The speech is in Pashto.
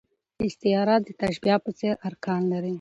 استعاره د تشبېه په څېر ارکان لري.